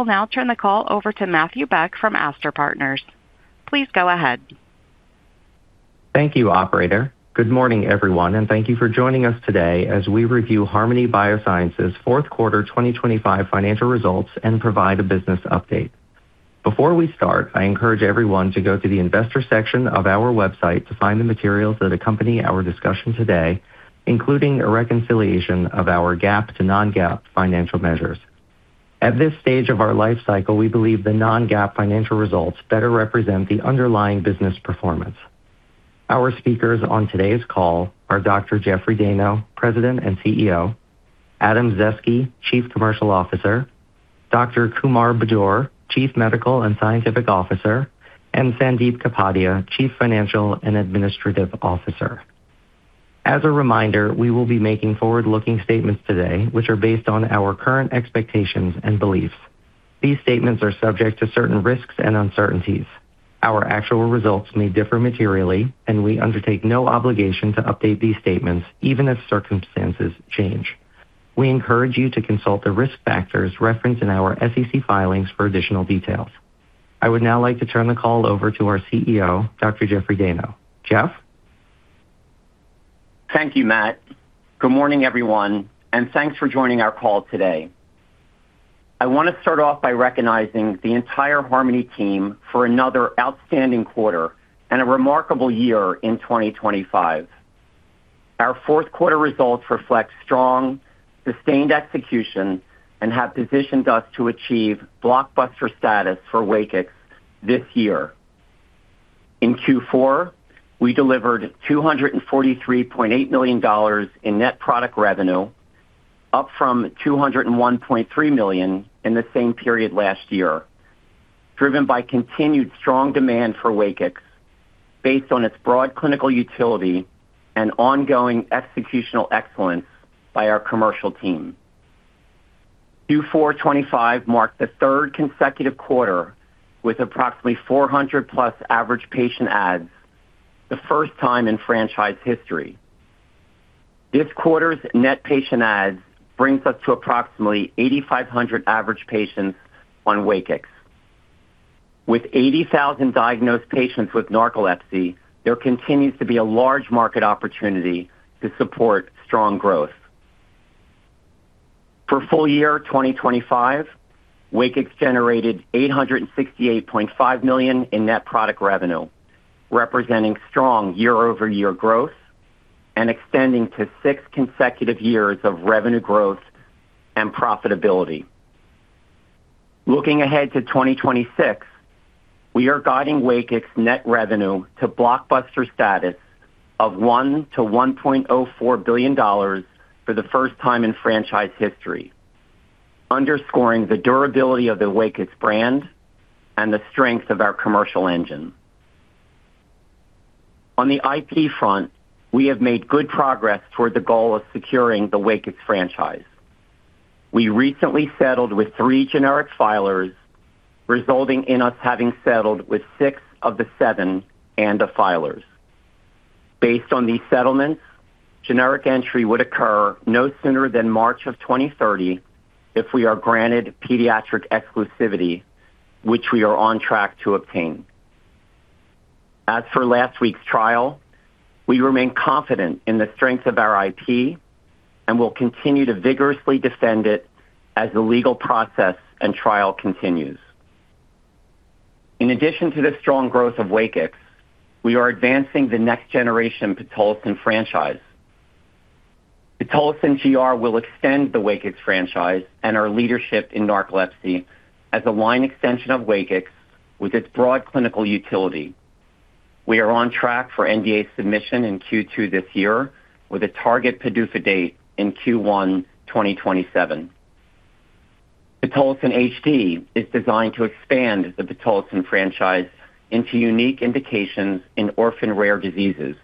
I will now turn the call over to Matthew Beck from Astor Partners. Please go ahead. Thank you, operator. Good morning, everyone, and thank you for joining us today as we review Harmony Biosciences' Fourth Quarter 2025 Financial Results and provide a business update. Before we start, I encourage everyone to go to the investor section of our website to find the materials that accompany our discussion today, including a reconciliation of our GAAP to non-GAAP financial measures. At this stage of our life cycle, we believe the non-GAAP financial results better represent the underlying business performance. Our speakers on today's call are Dr. Jeffrey Dayno, President and CEO, Adam Zaeske, Chief Commercial Officer, Dr. Kumar Budur, Chief Medical and Scientific Officer, and Sandip Kapadia, Chief Financial and Administrative Officer. As a reminder, we will be making forward-looking statements today, which are based on our current expectations and beliefs. These statements are subject to certain risks and uncertainties. Our actual results may differ materially. We undertake no obligation to update these statements even as circumstances change. We encourage you to consult the risk factors referenced in our SEC filings for additional details. I would now like to turn the call over to our CEO, Dr. Jeffrey Dayno. Jeff? Thank you, Matt. Good morning, everyone, and thanks for joining our call today. I want to start off by recognizing the entire Harmony team for another outstanding quarter and a remarkable year in 2025. Our fourth quarter results reflect strong, sustained execution and have positioned us to achieve blockbuster status for WAKIX this year. In Q4, we delivered $243.8 million in net product revenue, up from $201.3 million in the same period last year, driven by continued strong demand for WAKIX based on its broad clinical utility and ongoing executional excellence by our commercial team. Q4 2025 marked the third consecutive quarter with approximately 400-plus average patient adds, the first time in franchise history. This quarter's net patient adds brings us to approximately 8,500 average patients on WAKIX. With 80,000 diagnosed patients with narcolepsy, there continues to be a large market opportunity to support strong growth. For full year 2025, WAKIX generated $868.5 million in net product revenue, representing strong year-over-year growth and extending to six consecutive years of revenue growth and profitability. Looking ahead to 2026, we are guiding WAKIX net revenue to blockbuster status of $1 billion-$1.04 billion for the first time in franchise history, underscoring the durability of the WAKIX brand and the strength of our commercial engine. On the IP front, we have made good progress toward the goal of securing the WAKIX franchise. We recently settled with three generic filers, resulting in us having settled with six of the seven ANDA filers. Based on these settlements, generic entry would occur no sooner than March of 2030 if we are granted pediatric exclusivity, which we are on track to obtain. As for last week's trial, we remain confident in the strength of our IP and will continue to vigorously defend it as the legal process and trial continues. In addition to the strong growth of WAKIX, we are advancing the next generation pitolisant franchise. Pitolisant GR will extend the WAKIX franchise and our leadership in narcolepsy as a line extension of WAKIX with its broad clinical utility. We are on track for NDA submission in Q2 this year, with a target PDUFA date in Q1 2027. Pitolisant HD is designed to expand the pitolisant franchise into unique indications in orphan rare diseases,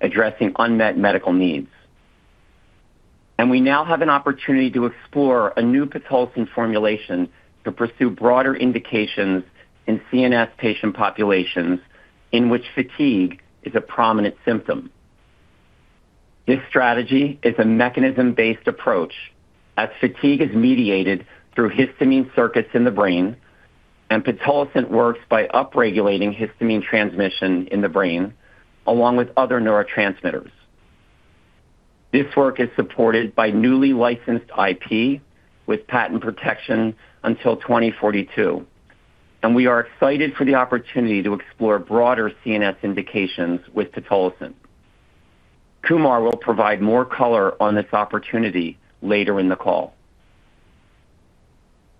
addressing unmet medical needs. We now have an opportunity to explore a new pitolisant formulation to pursue broader indications in CNS patient populations in which fatigue is a prominent symptom. This strategy is a mechanism-based approach, as fatigue is mediated through histamine circuits in the brain, and pitolisant works by upregulating histamine transmission in the brain, along with other neurotransmitters. This work is supported by newly licensed IP with patent protection until 2042, and we are excited for the opportunity to explore broader CNS indications with pitolisant. Kumar will provide more color on this opportunity later in the call.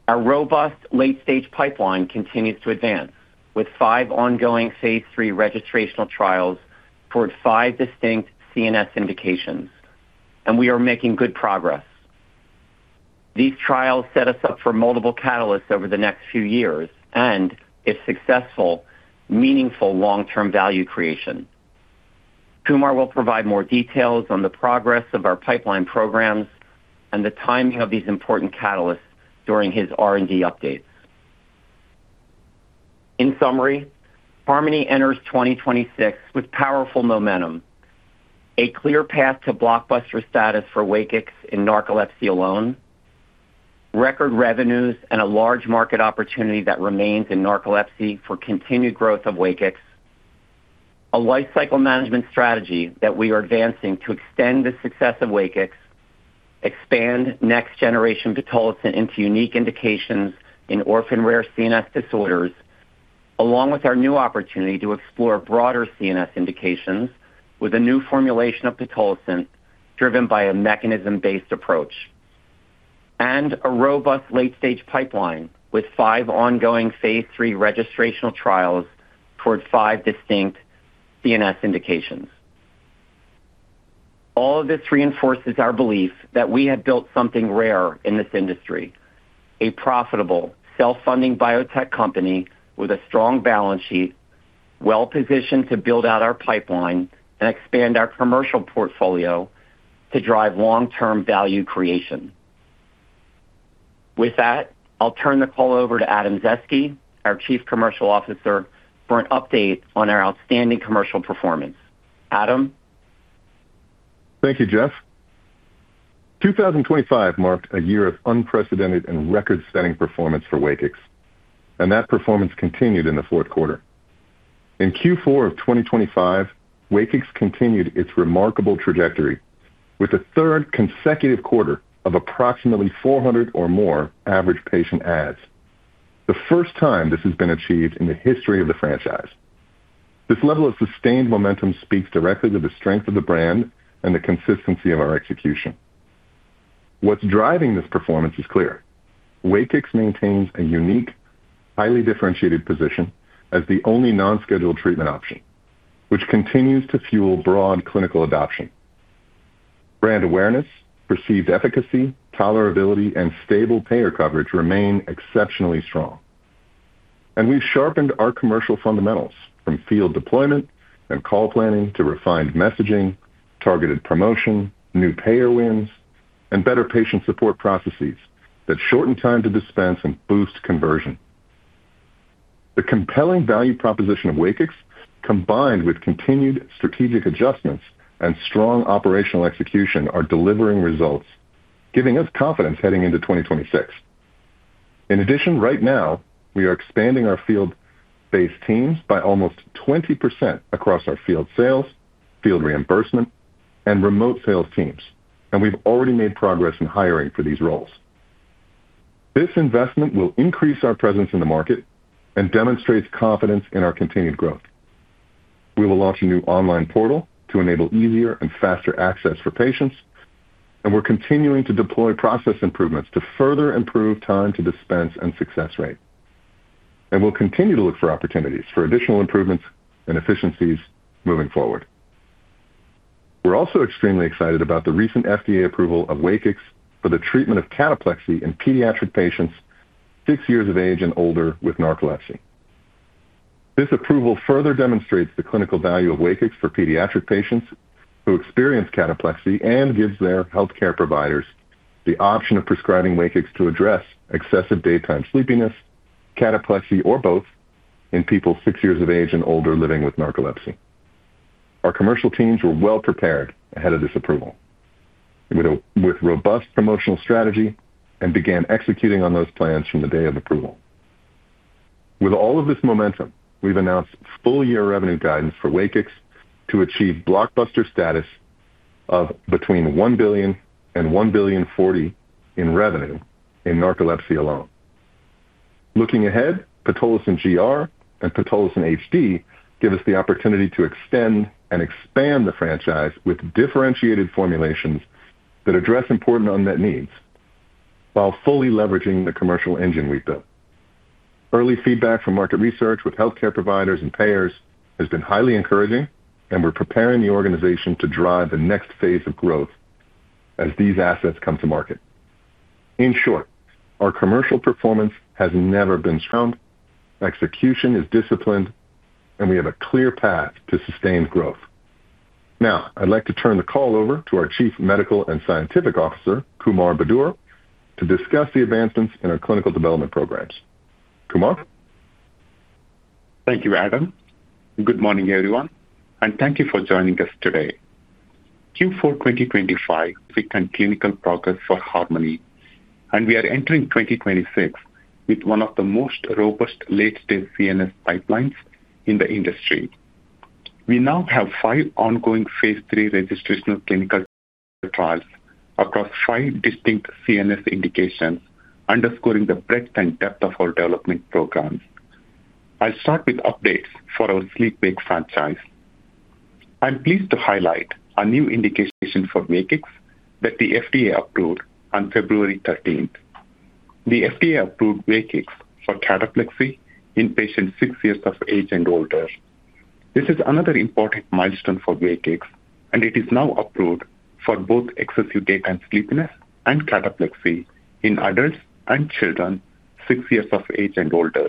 Our robust late-stage pipeline continues to advance, with five ongoing phase 3 registrational trials toward five distinct CNS indications, and we are making good progress. These trials set us up for multiple catalysts over the next few years and, if successful, meaningful long-term value creation. Kumar will provide more details on the progress of our pipeline programs and the timing of these important catalysts during his R&D update. In summary, Harmony enters 2026 with powerful momentum, a clear path to blockbuster status for WAKIX in narcolepsy alone, record revenues and a large market opportunity that remains in narcolepsy for continued growth of WAKIX. A lifecycle management strategy that we are advancing to extend the success of WAKIX, expand next generation pitolisant into unique indications in orphan rare CNS disorders, along with our new opportunity to explore broader CNS indications with a new formulation of pitolisant, driven by a mechanism-based approach. A robust late-stage pipeline with five ongoing Phase 3 registrational trials towards five distinct CNS indications. All of this reinforces our belief that we have built something rare in this industry, a profitable, self-funding biotech company with a strong balance sheet, well-positioned to build out our pipeline and expand our commercial portfolio to drive long-term value creation. With that, I'll turn the call over to Adam Zaeske, our Chief Commercial Officer, for an update on our outstanding commercial performance. Adam? Thank you, Jeff. 2025 marked a year of unprecedented and record-setting performance for WAKIX. That performance continued in the fourth quarter. In Q4 of 2025, WAKIX continued its remarkable trajectory with a third consecutive quarter of approximately 400 or more average patient adds. The first time this has been achieved in the history of the franchise. This level of sustained momentum speaks directly to the strength of the brand and the consistency of our execution. What's driving this performance is clear. WAKIX maintains a unique, highly differentiated position as the only non-scheduled treatment option, which continues to fuel broad clinical adoption. Brand awareness, perceived efficacy, tolerability, and stable payer coverage remain exceptionally strong. We've sharpened our commercial fundamentals from field deployment and call planning to refined messaging, targeted promotion, new payer wins, and better patient support processes that shorten time to dispense and boost conversion. The compelling value proposition of WAKIX, combined with continued strategic adjustments and strong operational execution, are delivering results, giving us confidence heading into 2026. In addition, right now, we are expanding our field-based teams by almost 20% across our field sales, field reimbursement, and remote sales teams, and we've already made progress in hiring for these roles. This investment will increase our presence in the market and demonstrates confidence in our continued growth. We will launch a new online portal to enable easier and faster access for patients, and we're continuing to deploy process improvements to further improve time to dispense and success rate. We'll continue to look for opportunities for additional improvements and efficiencies moving forward. We're also extremely excited about the recent FDA approval of WAKIX for the treatment of cataplexy in pediatric patients six years of age and older with narcolepsy. This approval further demonstrates the clinical value of WAKIX for pediatric patients who experience cataplexy and gives their healthcare providers the option of prescribing WAKIX to address excessive daytime sleepiness, cataplexy, or both in people six years of age and older living with narcolepsy. Our commercial teams were well prepared ahead of this approval with robust promotional strategy and began executing on those plans from the day of approval. With all of this momentum, we've announced full-year revenue guidance for WAKIX to achieve blockbuster status of between $1 billion and $1.04 billion in revenue in narcolepsy alone. Looking ahead, pitolisant GR and pitolisant HD give us the opportunity to extend and expand the franchise with differentiated formulations that address important unmet needs while fully leveraging the commercial engine we've built. Early feedback from market research with healthcare providers and payers has been highly encouraging, and we're preparing the organization to drive the next phase of growth as these assets come to market. In short, our commercial performance has never been strong, execution is disciplined, and we have a clear path to sustained growth. Now, I'd like to turn the call over to our Chief Medical and Scientific Officer, Kumar Budur, to discuss the advancements in our clinical development programs. Kumar? Thank you, Adam. Good morning, everyone, and thank you for joining us today. Q4 2025, significant clinical progress for Harmony, and we are entering 2026 with one of the most robust late-stage CNS pipelines in the industry. We now have five ongoing phase 3 registrational clinical trials across five distinct CNS indications, underscoring the breadth and depth of our development programs. I'll start with updates for our sleep-wake franchise. I'm pleased to highlight a new indication for WAKIX that the FDA approved on February thirteenth. The FDA approved WAKIX for cataplexy in patients six years of age and older. This is another important milestone for WAKIX, and it is now approved for both excessive daytime sleepiness and cataplexy in adults and children six years of age and older.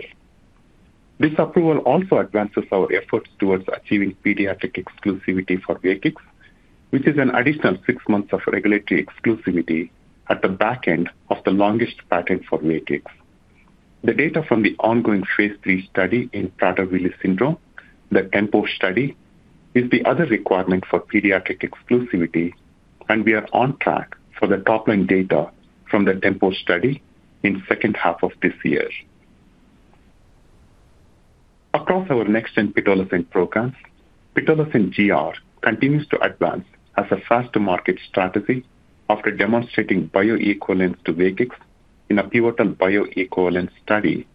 This approval also advances our efforts towards achieving pediatric exclusivity for WAKIX. which is an additional six months of regulatory exclusivity at the back end of the longest patent for WAKIX. The data from the ongoing phase III study in Prader-Willi syndrome, the TEMPO study, is the other requirement for pediatric exclusivity. We are on track for the top-line data from the TEMPO study in second half of this year. Across our next-gen pitolisant program, pitolisant GR continues to advance as a fast-to-market strategy after demonstrating bioequivalence to WAKIX in a pivotal bioequivalence study,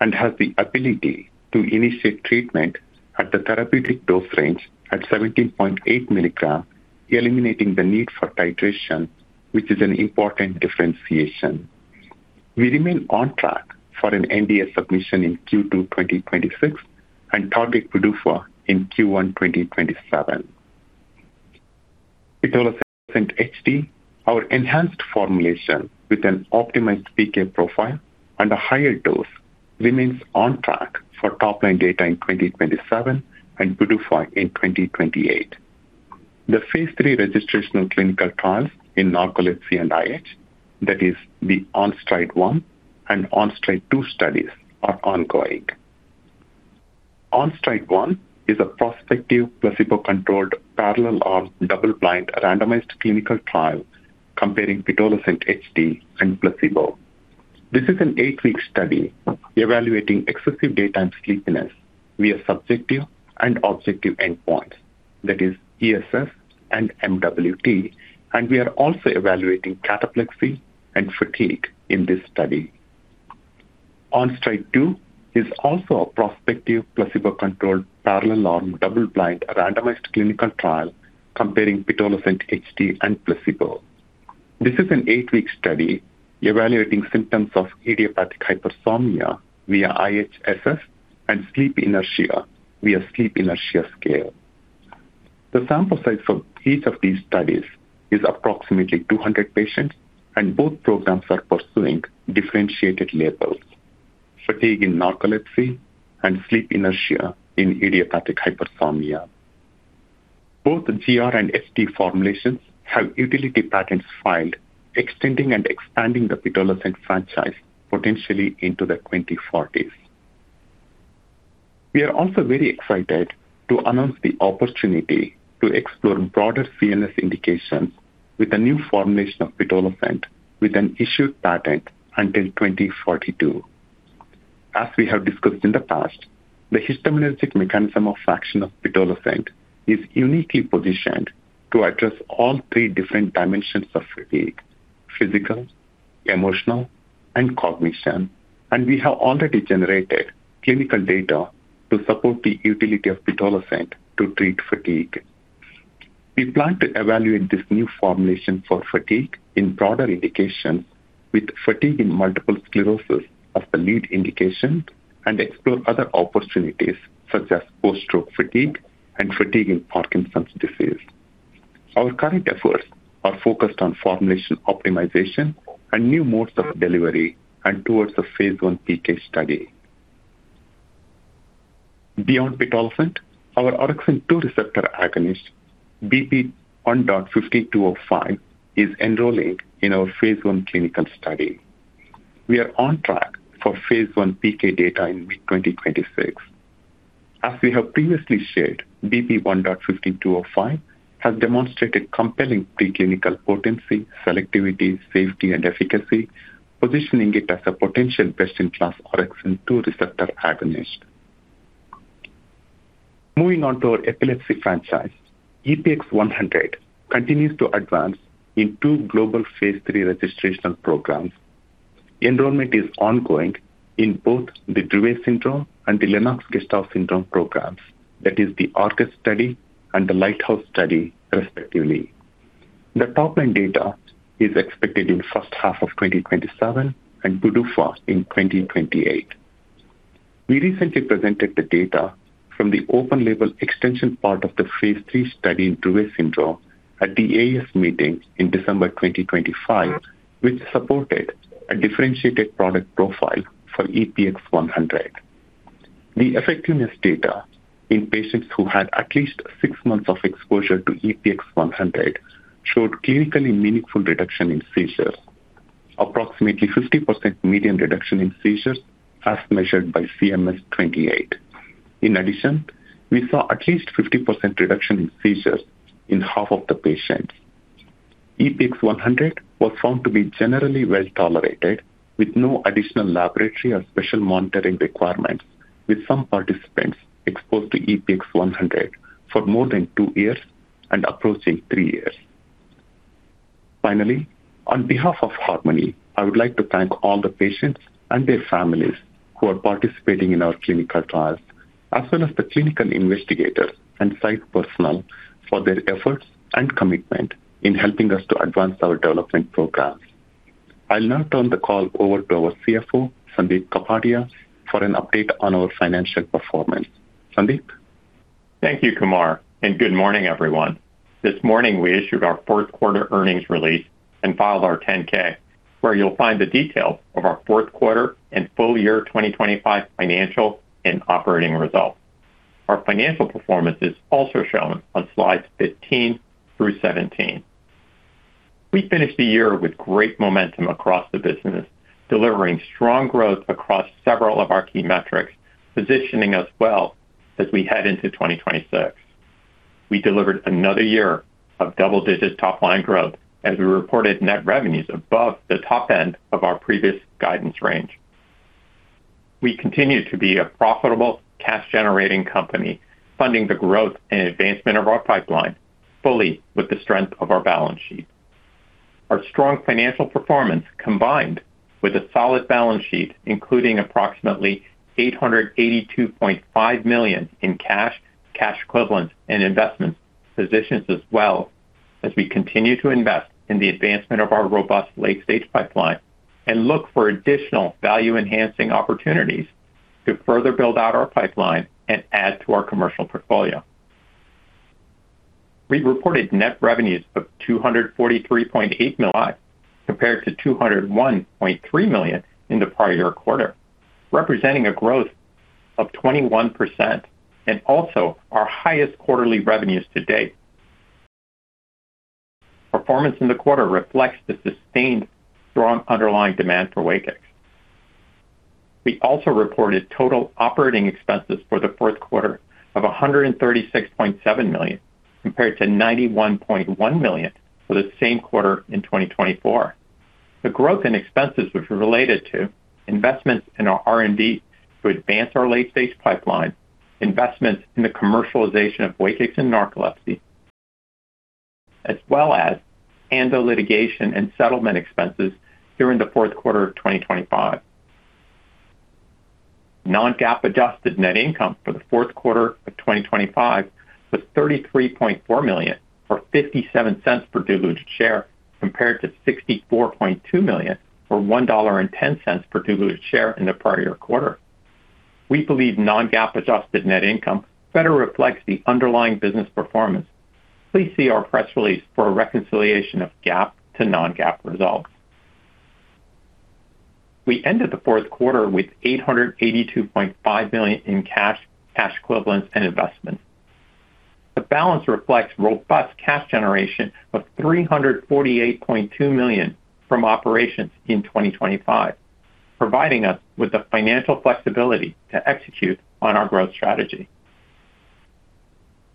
and has the ability to initiate treatment at the therapeutic dose range at 17.8 mg, eliminating the need for titration, which is an important differentiation. We remain on track for an NDA submission in Q2 2026 and target PDUFA in Q1 2027. Pitolisant HD, our enhanced formulation with an optimized PK profile and a higher dose, remains on track for top-line data in 2027 and PDUFA in 2028. The Phase 3 registrational clinical trials in narcolepsy and IH, that is the ONSTRIDE 1 and ONSTRIDE 2 studies, are ongoing. ONSTRIDE 1 is a prospective, placebo-controlled, parallel-arm, double-blind, randomized clinical trial comparing Pitolisant HD and placebo. This is an eight week study evaluating excessive daytime sleepiness via subjective and objective endpoints, that is ESS and MWT, and we are also evaluating cataplexy and fatigue in this study. ONSTRIDE 2 is also a prospective, placebo-controlled, parallel-arm, double-blind, randomized clinical trial comparing Pitolisant HD and placebo. This is an 8 eight week study evaluating symptoms of idiopathic hypersomnia via IHSS and sleep inertia via sleep inertia scale. The sample size for each of these studies is approximately 200 patients. Both programs are pursuing differentiated labels: fatigue in narcolepsy and sleep inertia in idiopathic hypersomnia. Both GR and HD formulations have utility patents filed, extending and expanding the pitolisant franchise potentially into the 2040s. We are also very excited to announce the opportunity to explore broader CNS indications with a new formulation of pitolisant, with an issued patent until 2042. As we have discussed in the past, the histaminergic mechanism of action of pitolisant is uniquely positioned to address all three different dimensions of fatigue: physical, emotional, and cognition. We have already generated clinical data to support the utility of pitolisant to treat fatigue. We plan to evaluate this new formulation for fatigue in broader indications, with fatigue in multiple sclerosis as the lead indication, and explore other opportunities such as post-stroke fatigue and fatigue in Parkinson's disease. Our current efforts are focused on formulation optimization and new modes of delivery and towards the phase 1 PK study. Beyond pitolisant, our orexin 2 receptor agonist, BP1.15205, is enrolling in our phase 1 clinical study. We are on track for phase 1 PK data in mid-2026. As we have previously shared, BP1.15205 has demonstrated compelling preclinical potency, selectivity, safety, and efficacy, positioning it as a potential best-in-class orexin 2 receptor agonist. Moving on to our epilepsy franchise, EPX-100 continues to advance in 2 global phase 3 registrational programs. Enrollment is ongoing in both the Dravet syndrome and the Lennox-Gastaut syndrome programs, that is the ORCHEST study and the LIGHTHOUSE study, respectively. The top-line data is expected in first half of 2027 and PDUFA in 2028. We recently presented the data from the open label extension part of the Phase 3 study in Dravet syndrome at the AES meeting in December 2025, which supported a differentiated product profile for EPX-100. The effectiveness data in patients who had at least six months of exposure to EPX-100 showed clinically meaningful reduction in seizures, approximately 50% median reduction in seizures as measured by CMS-28. In addition, we saw at least 50% reduction in seizures in half of the patients. EPX-100 was found to be generally well-tolerated, with no additional laboratory or special monitoring requirements, with some participants exposed to EPX-100 for more than two years and approaching three years. Finally, on behalf of Harmony, I would like to thank all the patients and their families who are participating in our clinical trials, as well as the clinical investigators and site personnel for their efforts and commitment in helping us to advance our development programs. I'll now turn the call over to our CFO, Sandip Kapadia, for an update on our financial performance. Sandip? Thank you, Kumar, and good morning, everyone. This morning, we issued our fourth quarter earnings release and filed our 10-K, where you'll find the details of our fourth quarter and full year 2025 financial and operating results. Our financial performance is also shown on slides 15 through 17. We finished the year with great momentum across the business, delivering strong growth across several of our key metrics, positioning us well as we head into 2026. We delivered another year of double-digit top line growth as we reported net revenues above the top end of our previous guidance range. We continue to be a profitable, cash-generating company, funding the growth and advancement of our pipeline fully with the strength of our balance sheet. Our strong financial performance, combined with a solid balance sheet, including approximately $882.5 million in cash equivalents, and investments, positions us well as we continue to invest in the advancement of our robust late-stage pipeline and look for additional value-enhancing opportunities to further build out our pipeline and add to our commercial portfolio. We reported net revenues of $243.8 million, compared to $201.3 million in the prior year quarter, representing a growth of 21% and also our highest quarterly revenues to date. Performance in the quarter reflects the sustained strong underlying demand for WAKIX. We reported total operating expenses for the fourth quarter of $136.7 million, compared to $91.1 million for the same quarter in 2024. The growth in expenses, which were related to investments in our R&D to advance our late-stage pipeline, investments in the commercialization of WAKIX and narcolepsy, as well as ANDA litigation and settlement expenses during the fourth quarter of 2025. Non-GAAP adjusted net income for the fourth quarter of 2025 was $33.4 million, or $0.57 per diluted share, compared to $64.2 million, or $1.10 per diluted share in the prior quarter. We believe non-GAAP adjusted net income better reflects the underlying business performance. Please see our press release for a reconciliation of GAAP to non-GAAP results. We ended the fourth quarter with $882.5 million in cash equivalents, and investments. The balance reflects robust cash generation of $348.2 million from operations in 2025, providing us with the financial flexibility to execute on our growth strategy.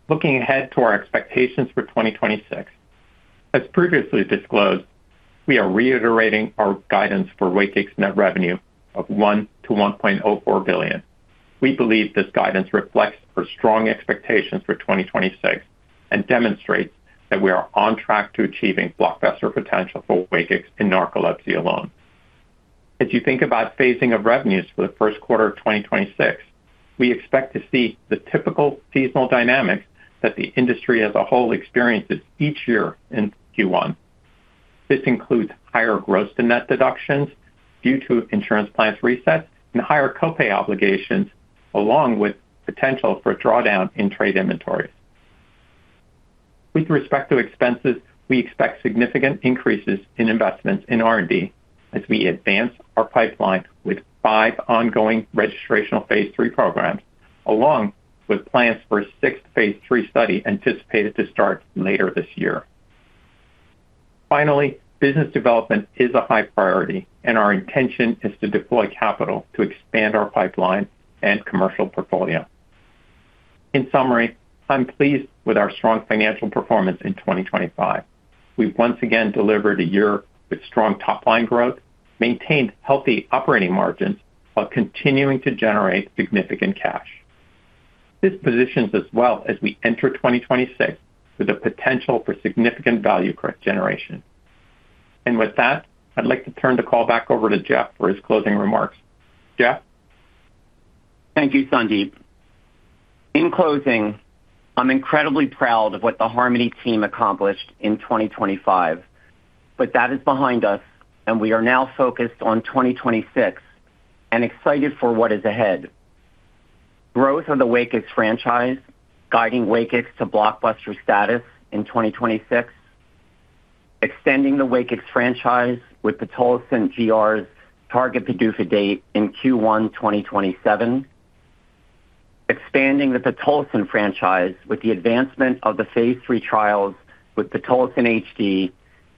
Looking ahead to our expectations for 2026, as previously disclosed, we are reiterating our guidance for WAKIX net revenue of $1 billion-$1.04 billion. We believe this guidance reflects our strong expectations for 2026 and demonstrates that we are on track to achieving blockbuster potential for WAKIX in narcolepsy alone. As you think about phasing of revenues for the first quarter of 2026, we expect to see the typical seasonal dynamics that the industry as a whole experiences each year in Q1. This includes higher gross to net deductions due to insurance plans resets and higher copay obligations, along with potential for drawdown in trade inventories. With respect to expenses, we expect significant increases in investments in R&D as we advance our pipeline with five ongoing registrational phase III programs, along with plans for a sixth phase III study anticipated to start later this year. Finally, business development is a high priority, and our intention is to deploy capital to expand our pipeline and commercial portfolio. In summary, I'm pleased with our strong financial performance in 2025. We've once again delivered a year with strong top-line growth, maintained healthy operating margins while continuing to generate significant cash. This positions us well as we enter 2026 with a potential for significant value generation. With that, I'd like to turn the call back over to Jeff for his closing remarks. Jeff? Thank you, Sandeep. In closing, I'm incredibly proud of what the Harmony team accomplished in 2025, but that is behind us, and we are now focused on 2026 and excited for what is ahead. Growth of the WAKIX franchise, guiding WAKIX to blockbuster status in 2026. Extending the WAKIX franchise with Pitolisant GR's target PDUFA date in Q1 2027. Expanding the Pitolisant franchise with the advancement of the phase III trials with Pitolisant HD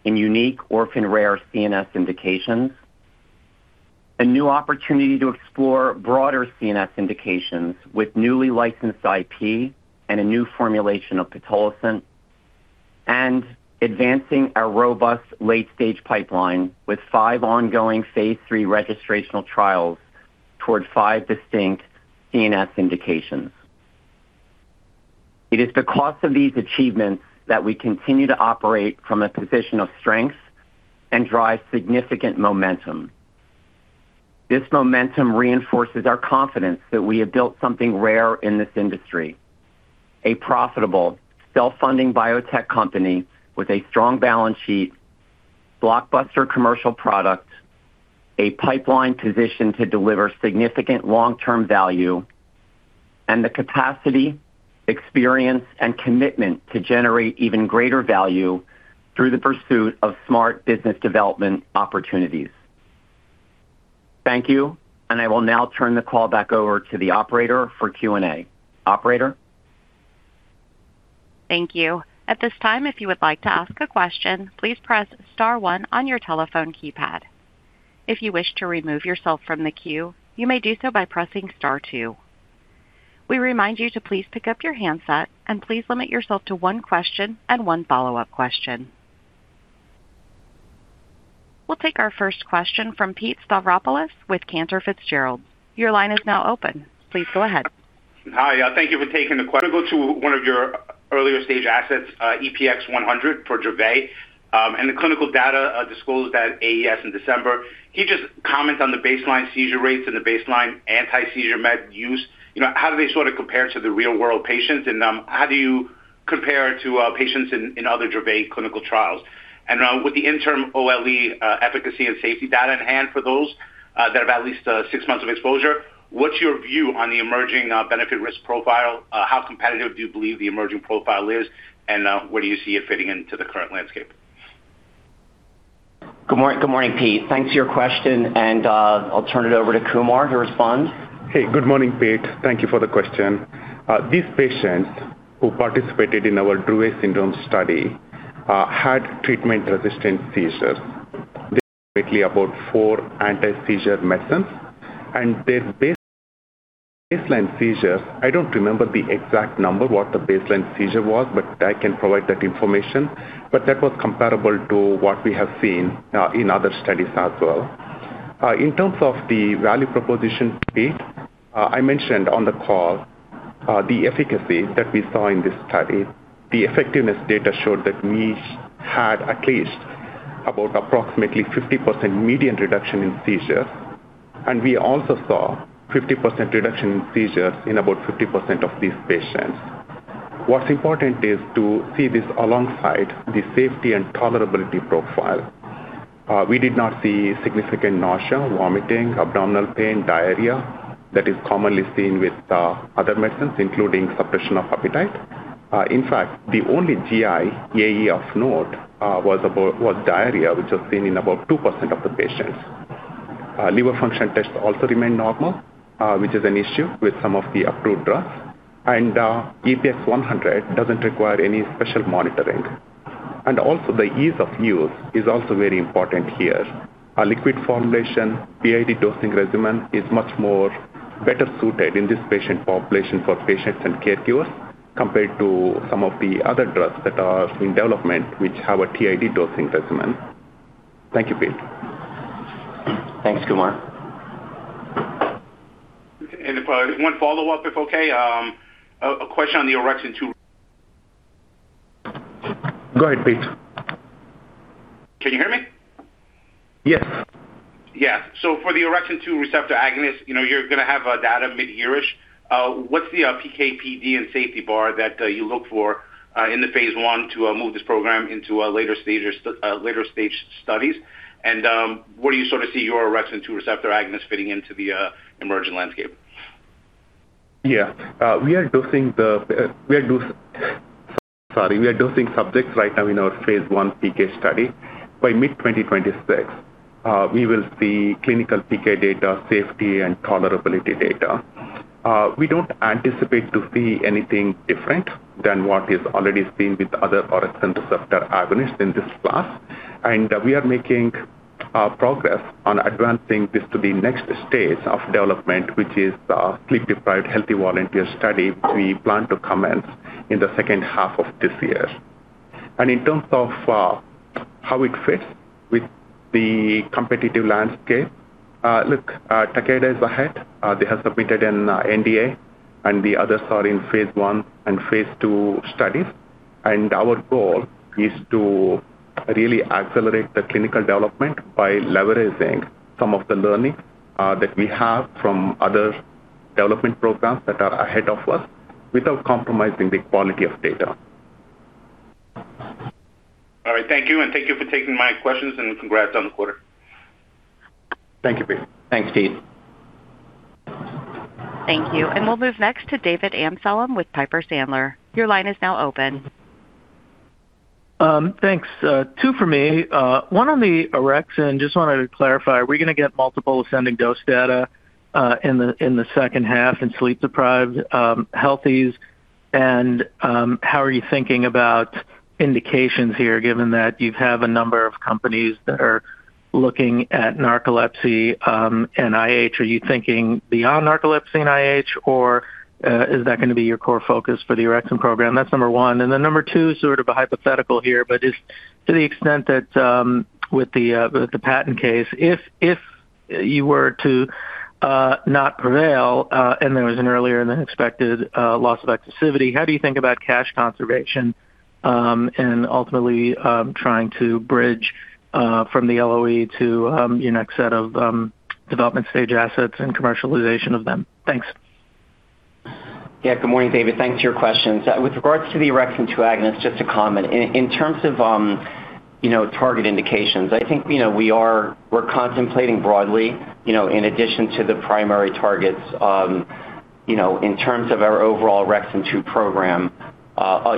in unique orphan rare CNS indications. A new opportunity to explore broader CNS indications with newly licensed IP and a new formulation of Pitolisant. Advancing our robust late-stage pipeline with five ongoing phase III registrational trials toward five distinct CNS indications. It is because of these achievements that we continue to operate from a position of strength and drive significant momentum. This momentum reinforces our confidence that we have built something rare in this industry: a profitable, self-funding biotech company with a strong balance sheet, blockbuster commercial product, a pipeline positioned to deliver significant long-term value, and the capacity, experience, and commitment to generate even greater value through the pursuit of smart business development opportunities. Thank you. I will now turn the call back over to the operator for Q&A. Operator? Thank you. At this time, if you would like to ask a question, please press star one on your telephone keypad. If you wish to remove yourself from the queue, you may do so by pressing star two. We remind you to please pick up your handset and please limit yourself to one question and one follow-up question. We'll take our first question from Peter Stavropoulos with Cantor Fitzgerald. Your line is now open. Please go ahead. Hi, thank you for taking the question. I'm going to go to one of your earlier stage assets, EPX-100 for Dravet, and the clinical data disclosed at AES in December. Can you just comment on the baseline seizure rates and the baseline anti-seizure med use? You know, how do they sort of compare to the real-world patients, and how do you compare to patients in other Dravet clinical trials? With the interim OLE efficacy and safety data at hand for those that have at least six months of exposure, what's your view on the emerging benefit risk profile? How competitive do you believe the emerging profile is, and where do you see it fitting into the current landscape? Good morning, Pete. Thanks for your question, and I'll turn it over to Kumar to respond. Hey, good morning, Pete. Thank you for the question. These patients who participated in our Dravet syndrome study had treatment-resistant seizures, basically about four anti-seizure methods. Their baseline seizures, I don't remember the exact number, what the baseline seizure was, but I can provide that information, but that was comparable to what we have seen in other studies as well. In terms of the value proposition, Pete, I mentioned on the call, the efficacy that we saw in this study. The effectiveness data showed that we had at least about approximately 50% median reduction in seizures, and we also saw 50% reduction in seizures in about 50% of these patients. What's important is to see this alongside the safety and tolerability profile. We did not see significant nausea, vomiting, abdominal pain, diarrhea, that is commonly seen with other medicines, including suppression of appetite. In fact, the only GI AE of note was diarrhea, which was seen in about 2% of the patients. Liver function tests also remained normal, which is an issue with some of the approved drugs. EPX-100 doesn't require any special monitoring. The ease of use is also very important here. A liquid formulation, BID dosing regimen is much more better suited in this patient population for patients and caregivers, compared to some of the other drugs that are in development, which have a TID dosing regimen. Thank you, Pete. Thanks, Kumar. 1 follow-up, if okay. a question on the orexin 2. Go ahead, Pete. Can you hear me? Yes. Yeah. For the orexin 2 receptor agonist, you know, you're going to have data midyear-ish. What's the PK, PD, and safety bar that you look for in the phase 1 to move this program into a later stage studies? Where do you sort of see your orexin 2 receptor agonist fitting into the emerging landscape? We are dosing subjects right now in our phase 1 PK study. By mid-2026, we will see clinical PK data, safety, and tolerability data. We don't anticipate to see anything different than what is already seen with other orexin receptor agonists in this class. We are making progress on advancing this to the next stage of development, which is the sleep-deprived healthy volunteer study, we plan to commence in the second half of this year. In terms of how it fits with the competitive landscape, look, Takeda is ahead. They have submitted an NDA, the others are in phase 1 and phase 2 studies. Our goal is to really accelerate the clinical development by leveraging some of the learnings, that we have from other development programs that are ahead of us without compromising the quality of data. All right, thank you, and thank you for taking my questions, and congrats on the quarter. Thank you, Pete. Thanks, Pete. Thank you. We'll move next to David Amsellem with Piper Sandler. Your line is now open. Thanks. two for me. One on the orexin, just wanted to clarify, are we going to get multiple ascending dose data in the, in the second half in sleep-deprived healthies? How are you thinking about indications here, given that you have a number of companies that are looking at narcolepsy and IH? Are you thinking beyond narcolepsy and IH, or, is that going to be your core focus for the orexin program? That's number one. Number two is sort of a hypothetical here, but just to the extent that, with the, with the patent case, if you were to not prevail, and there was an earlier than expected loss of exclusivity, how do you think about cash conservation, and ultimately, trying to bridge from the LOE to your next set of development stage assets and commercialization of them? Thanks. Good morning, David. Thanks for your questions. With regards to the orexin two agonist, just to comment. In terms of, you know, target indications. I think, you know, we're contemplating broadly, you know, in addition to the primary targets, you know, in terms of our overall orexin two program,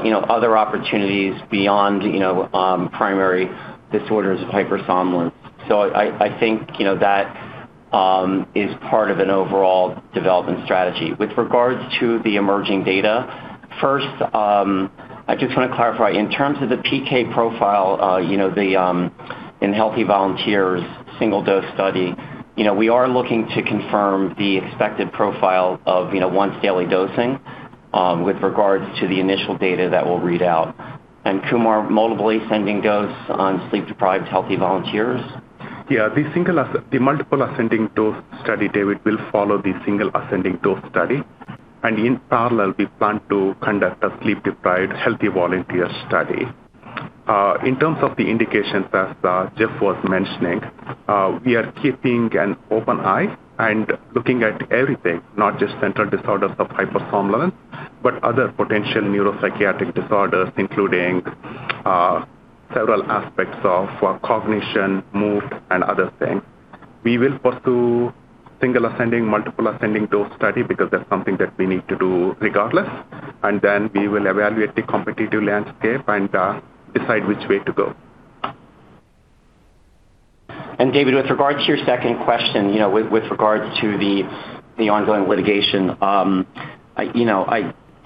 you know, other opportunities beyond, you know, primary disorders of hypersomnia. I think, you know, that is part of an overall development strategy. With regards to the emerging data, first, I just want to clarify. In terms of the PK profile, you know, the, in healthy volunteers, single dose study, you know, we are looking to confirm the expected profile of, you know, once-daily dosing with regards to the initial data that we'll read out. Kumar, multiply ascending dose on sleep-deprived, healthy volunteers? Yeah. The multiple ascending dose study, David, will follow the single ascending dose study. In parallel, we plan to conduct a sleep-deprived healthy volunteer study. In terms of the indications, as Jeff was mentioning, we are keeping an open eye and looking at everything, not just central disorders of hypersomnia, but other potential neuropsychiatric disorders, including several aspects of cognition, mood, and other things. We will pursue single ascending, multiple ascending dose study because that's something that we need to do regardless. Then we will evaluate the competitive landscape and decide which way to go. David, with regards to your second question, with regards to the ongoing litigation,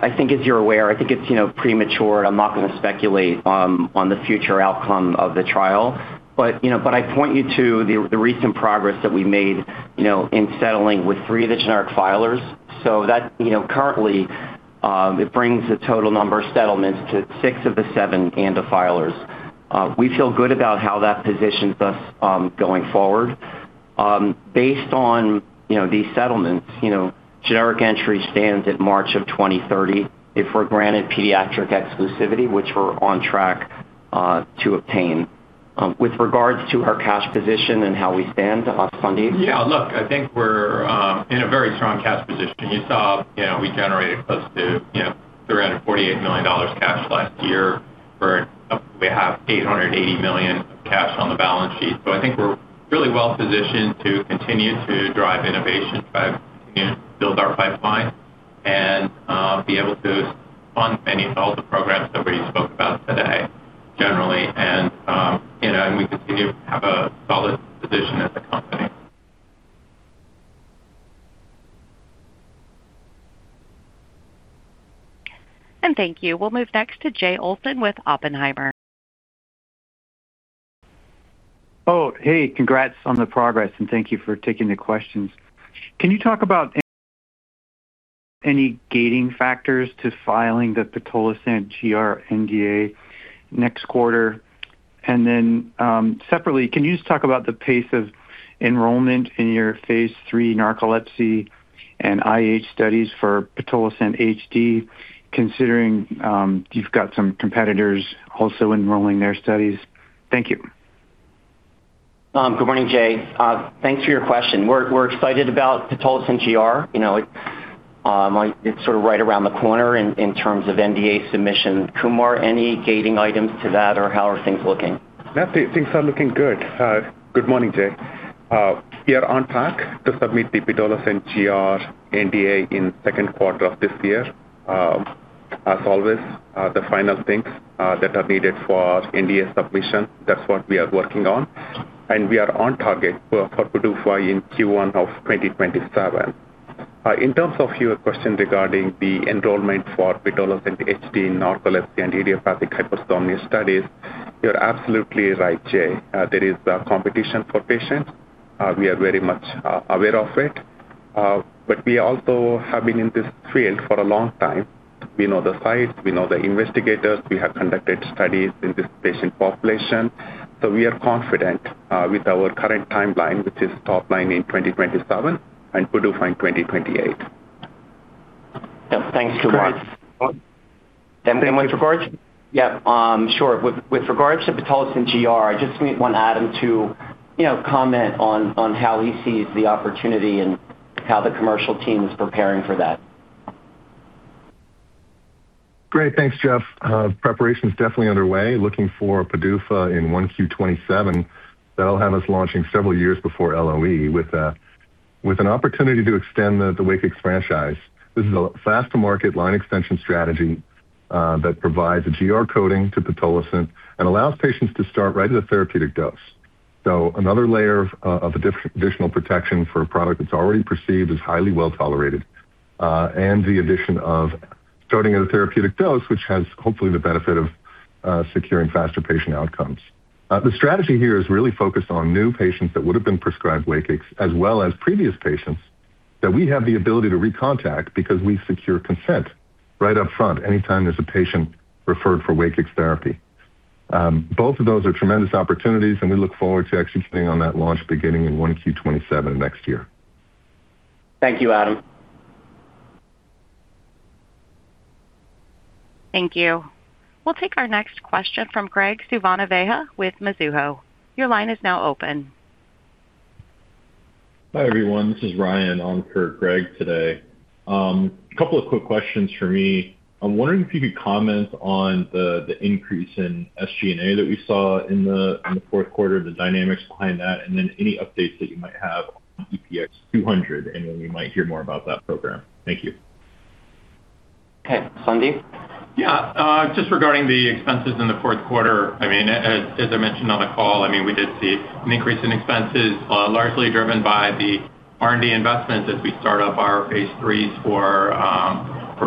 I think as you're aware, I think it's premature, and I'm not going to speculate on the future outcome of the trial. I point you to the recent progress that we made in settling with three of the generic filers. That currently brings the total number of settlements to six of the seven ANDA filers. We feel good about how that positions us going forward. Based on these settlements, generic entry stands at March of 2030 if we're granted pediatric exclusivity, which we're on track to obtain. With regards to our cash position and how we stand on funding? Look, I think we're in a very strong cash position. You saw, we generated close to $348 million cash last year, where we have $880 million cash on the balance sheet. I think we're really well-positioned to continue to drive innovation, try to build our pipeline, and be able to fund many of all the programs that we spoke about today, generally. We continue to have a solid position as a company. Thank you. We'll move next to Jay Olson with Oppenheimer. Oh, hey, congrats on the progress, and thank you for taking the questions. Can you talk about any gating factors to filing the pitolisant GR NDA next quarter? Separately, can you just talk about the pace of enrollment in your phase 3 narcolepsy and IH studies for pitolisant HD, considering, you've got some competitors also enrolling their studies? Thank you. Good morning, Jay. Thanks for your question. We're excited about Pitolisant GR. You know, it's sort of right around the corner in terms of NDA submission. Kumar, any gating items to that, or how are things looking? Yeah, things are looking good. Good morning, Jay. We are on track to submit the pitolisant GR NDA in second quarter of this year. As always, the final things that are needed for NDA submission, that's what we are working on. We are on target for PDUFA in Q1 of 2027. In terms of your question regarding the enrollment for pitolisant HD in narcolepsy and idiopathic hypersomnia studies, you're absolutely right, Jay. There is competition for patients. We are very much aware of it. We also have been in this field for a long time. We know the sites, we know the investigators. We have conducted studies in this patient population. We are confident with our current timeline, which is top line in 2027, and PDUFA in 2028. Yep. Thanks, Kumar. With regards to Pitolisant GR, I just want Adam to, you know, comment on how he sees the opportunity and how the commercial team is preparing for that. Great. Thanks, Jeff. Preparation is definitely underway, looking for PDUFA in 1Q 2027. That'll have us launching several years before LOE with an opportunity to extend the WAKIX franchise. This is a fast-to-market line extension strategy that provides a GR coating to pitolisant and allows patients to start right at a therapeutic dose. Another layer of additional protection for a product that's already perceived as highly well-tolerated, and the addition of starting at a therapeutic dose, which has hopefully the benefit of securing faster patient outcomes. The strategy here is really focused on new patients that would have been prescribed WAKIX, as well as previous patients, that we have the ability to recontact because we secure consent right up front anytime there's a patient referred for WAKIX therapy. Both of those are tremendous opportunities, and we look forward to executing on that launch beginning in 1Q 2027 next year. Thank you, Adam. Thank you. We'll take our next question from Graig Suvannavejh with Mizuho. Your line is now open. Hi, everyone. This is Ryan on for Greg today. A couple of quick questions for me. I'm wondering if you could comment on the increase in SG&A that we saw in the fourth quarter, the dynamics behind that, and then any updates that you might have on EPX-200, and when we might hear more about that program. Thank you. Okay, Sandip? Yeah, just regarding the expenses in the fourth quarter, I mean, as I mentioned on the call, I mean, we did see an increase in expenses, largely driven by the R&D investments as we start up our phase threes for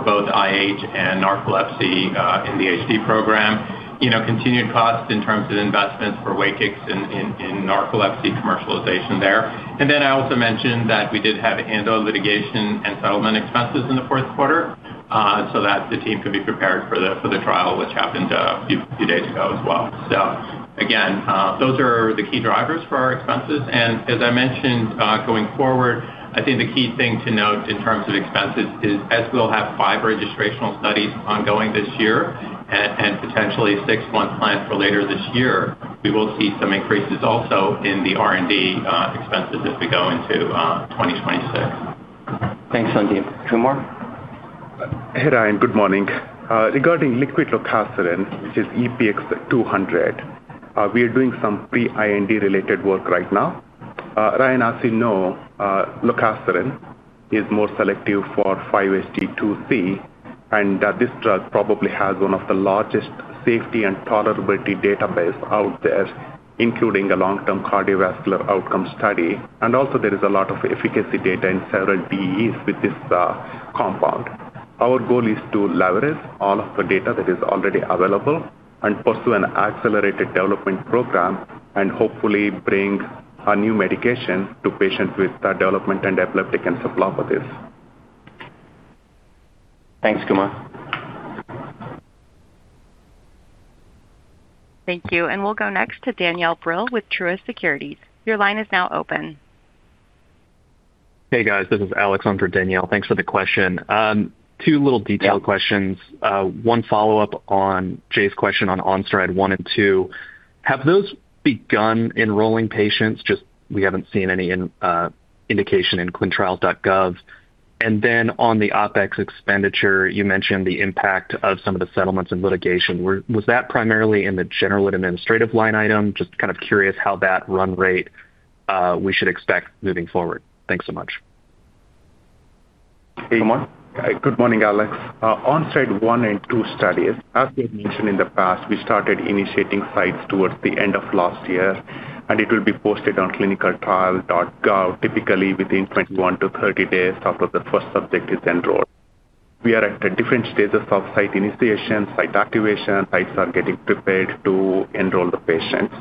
both IH and narcolepsy, in the HD program. You know, continued costs in terms of investments for WAKIX in narcolepsy commercialization there. I also mentioned that we did have a hand on litigation and settlement expenses in the fourth quarter, so that the team could be prepared for the trial, which happened a few days ago as well. Again, those are the key drivers for our expenses. As I mentioned, going forward, I think the key thing to note in terms of expenses is as we'll have five registrational studies ongoing this year and potentially six months planned for later this year, we will see some increases also in the R&D expenses as we go into 2026. Thanks, Sandeep. Kumar? Hey, Ryan. Good morning. Regarding liquid lorcaserin, which is EPX-200, we are doing some pre-IND-related work right now. Ryan, as you know, lorcaserin is more selective for 5-HT2C, and that this drug probably has one of the largest safety and tolerability database out there, including a long-term cardiovascular outcome study. Also, there is a lot of efficacy data in several DEEs with this compound. Our goal is to leverage all of the data that is already available and pursue an accelerated development program and hopefully bring a new medication to patients with Developmental and Epileptic Encephalopathies. Thanks, Kumar. Thank you. We'll go next to Danielle Brill with Truist Securities. Your line is now open. Hey, guys. This is Alec on for Danielle. Thanks for the question. two little detailed questions. Yeah. One follow-up on Jay's question on ONSTRIDE 1 and 2. Have those begun enrolling patients? Just we haven't seen any in indication in ClinicalTrials.gov. On the OpEx expenditure, you mentioned the impact of some of the settlements and litigation. Was that primarily in the General and Administrative line item? Just kind of curious how that run rate we should expect moving forward. Thanks so much. Kumar? Good morning, Alex. ONSTRIDE 1 and 2 studies. As we had mentioned in the past, we started initiating sites towards the end of last year, and it will be posted on ClinicalTrials.gov, typically within 21 to 30 days after the first subject is enrolled. We are at different stages of site initiation, site activation. Sites are getting prepared to enroll the patients.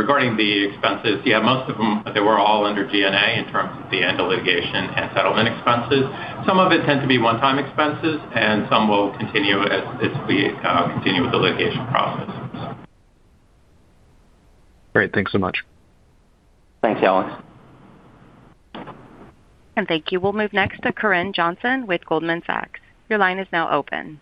Regarding the expenses, most of them, they were all under G&A in terms of the end of litigation and settlement expenses. Some of it tends to be one-time expenses, and some will continue as we continue with the litigation process. Great. Thanks so much. Thanks, Alex. Thank you. We'll move next to Corinne Johnson with Goldman Sachs. Your line is now open.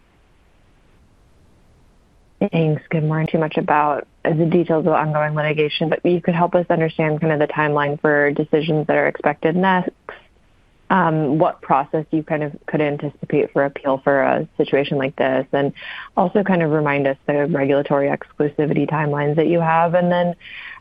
Thanks. Good morning. Too much about the details of ongoing litigation, you could help us understand kind of the timeline for decisions that are expected next, what process you kind of could anticipate for appeal for a situation like this, and also kind of remind us the regulatory exclusivity timelines that you have.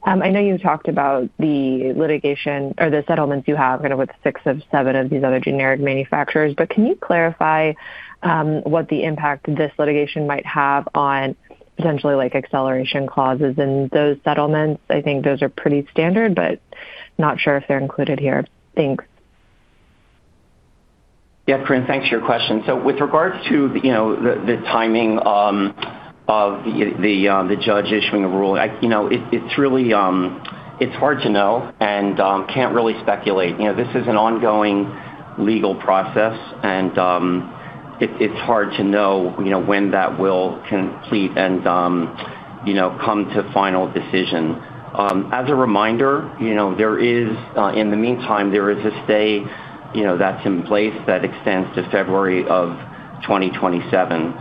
I know you talked about the litigation or the settlements you have, kind of with six of seven of these other generic manufacturers, can you clarify what the impact this litigation might have on potentially, like, acceleration clauses in those settlements? I think those are pretty standard, not sure if they're included here. Thanks. Yeah, Corinne, thanks for your question. With regards to, you know, the timing of the judge issuing a ruling. You know, it's really hard to know and can't really speculate. You know, this is an ongoing legal process, and it's hard to know, you know, when that will complete and, you know, come to final decision. As a reminder, you know, there is in the meantime, there is a stay, you know, that's in place that extends to February of 2027.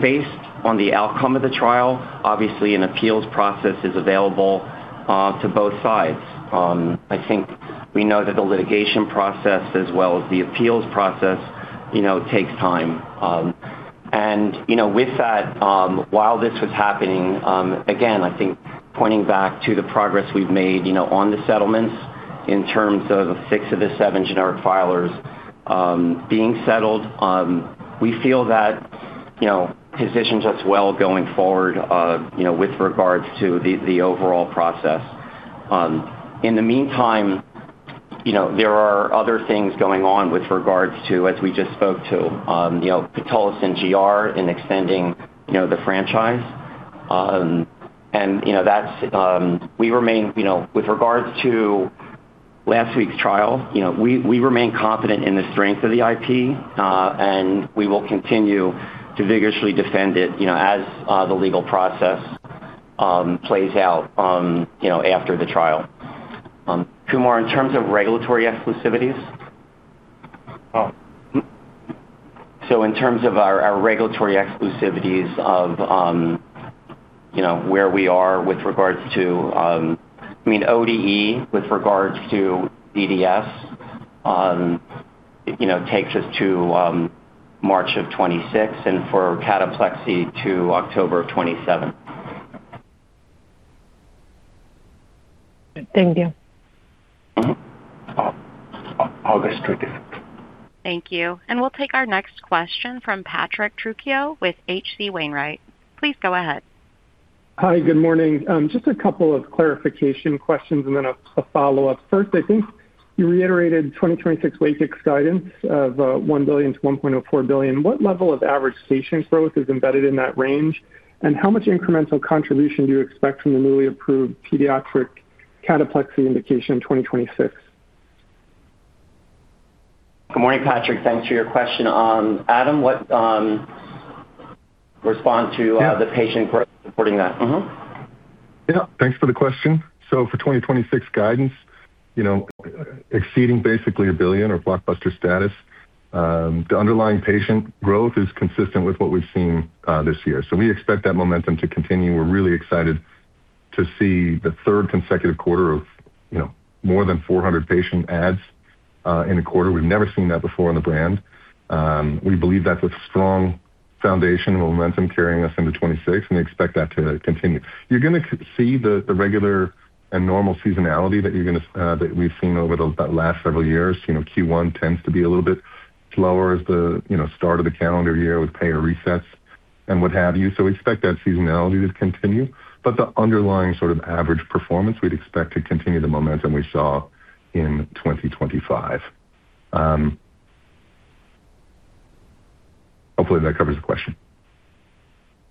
Based on the outcome of the trial, obviously an appeals process is available to both sides. I think we know that the litigation process as well as the appeals process, you know, takes time. You know, with that, while this was happening, again, I think pointing back to the progress we've made, you know, on the settlements in terms of the six of the aeven generic filers, being settled, we feel that, you know, positions us well going forward, you know, with regards to the overall process. In the meantime, you know, there are other things going on with regards to, as we just spoke to, you know, Pitolisant GR in extending, you know, the franchise. You know, that's, we remain, you know, with regards to last week's trial, you know, we remain confident in the strength of the IP, and we will continue to vigorously defend it, you know, as, the legal process, plays out, you know, after the trial. Kumar, in terms of regulatory exclusivities. In terms of our regulatory exclusivities of, you know, where we are with regards to, I mean, ODE, with regards to EDS, you know, takes us to March of 26, and for cataplexy to October of 27. Thank you. August twenty-fifth. Thank you. We'll take our next question from Patrick Trucchio with H.C. Wainwright. Please go ahead. Hi, good morning. Just a couple of clarification questions and then a follow-up. First, I think you reiterated 2026 WAKIX guidance of $1 billion-$1.04 billion. What level of average patient growth is embedded in that range? How much incremental contribution do you expect from the newly approved pediatric cataplexy indication in 2026? Good morning, Patrick. Thanks for your question. Adam, what. Yeah. the patient supporting that? Yeah. Thanks for the question. For 2026 guidance, you know, exceeding basically $1 billion or blockbuster status, the underlying patient growth is consistent with what we've seen this year. We expect that momentum to continue. We're really excited to see the third consecutive quarter of, you know, more than 400 patient adds in a quarter. We've never seen that before in the brand. We believe that's a strong foundation and momentum carrying us into 2026, and we expect that to continue. You're going to see the regular and normal seasonality that you're going to, that we've seen over the last several years. You know, Q1 tends to be a little bit slower as the, you know, start of the calendar year with payer resets and what have you. We expect that seasonality to continue, but the underlying sort of average performance, we'd expect to continue the momentum we saw in 2025. Hopefully that covers the question.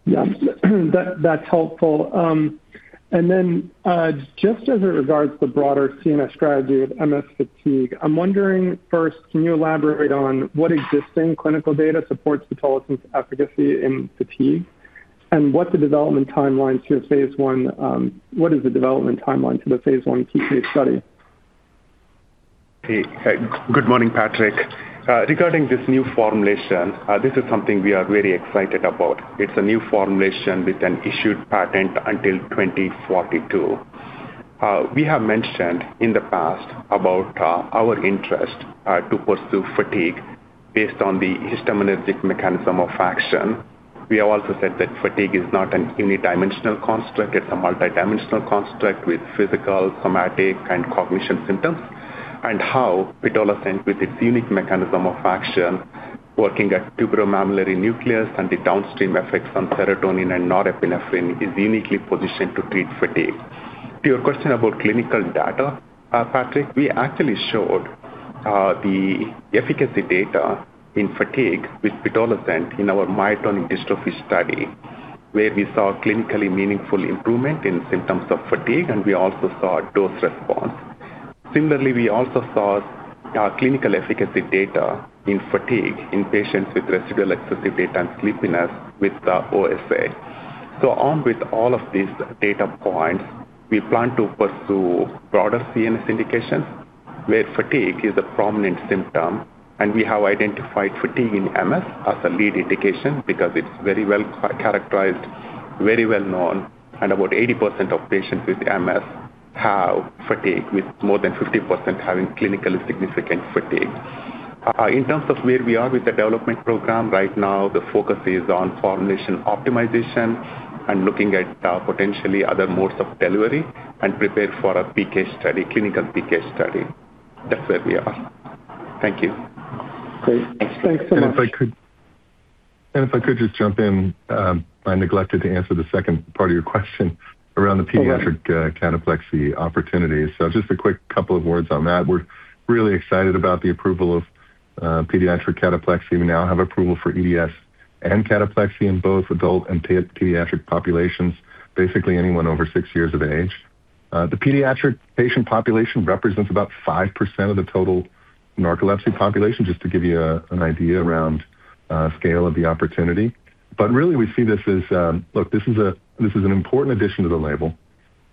Yeah. That's helpful. Just as it regards the broader CNS strategy of MS fatigue, I'm wondering, first, can you elaborate on what existing clinical data supports pitolisant's efficacy in fatigue? What is the development timeline to the phase 1 PK study? Hey, good morning, Patrick. Regarding this new formulation, this is something we are very excited about. It's a new formulation with an issued patent until 2042. We have mentioned in the past about our interest to pursue fatigue based on the histaminergic mechanism of action. We have also said that fatigue is not a unidimensional construct, it's a multidimensional construct with physical, somatic, and cognition symptoms, and how pitolisant, with its unique mechanism of action, working at tuberomammillary nucleus and the downstream effects on serotonin and norepinephrine, is uniquely positioned to treat fatigue. To your question about clinical data, Patrick, we actually showed the efficacy data in fatigue with pitolisant in our myotonic dystrophy study, where we saw clinically meaningful improvement in symptoms of fatigue, and we also saw dose response. Similarly, we also saw clinical efficacy data in fatigue in patients with residual excessive daytime sleepiness with OSA. Armed with all of these data points, we plan to pursue broader CNS indications, where fatigue is a prominent symptom, and we have identified fatigue in MS as a lead indication because it's very well characterized, very well known, and about 80% of patients with MS have fatigue, with more than 50% having clinically significant fatigue. In terms of where we are with the development program, right now, the focus is on formulation optimization and looking at potentially other modes of delivery and prepare for a PK study, clinical PK study. That's where we are. Thank you. Great. Thanks so much. If I could just jump in, I neglected to answer the second part of your question around the pediatric. Okay. cataplexy opportunity. Just a quick couple of words on that. We're really excited about the approval of pediatric cataplexy. We now have approval for EDS and cataplexy in both adult and pediatric populations, basically anyone over six years of age. The pediatric patient population represents about 5% of the total narcolepsy population, just to give you an idea around scale of the opportunity. Really, we see this as, look, this is a, this is an important addition to the label.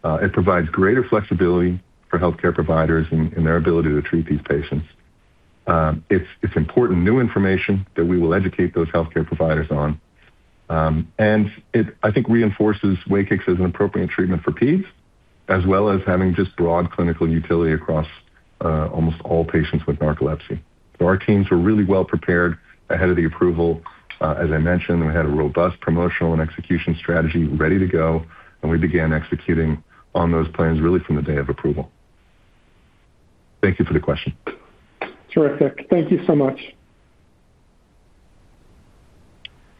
It provides greater flexibility for healthcare providers in their ability to treat these patients. It's important new information that we will educate those healthcare providers on. It, I think, reinforces WAKIX as an appropriate treatment for Peds, as well as having just broad clinical utility across almost all patients with narcolepsy. Our teams were really well prepared ahead of the approval. As I mentioned, we had a robust promotional and execution strategy ready to go, and we began executing on those plans really from the day of approval. Thank you for the question. Terrific. Thank you so much.